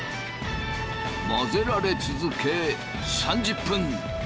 混ぜられ続け３０分。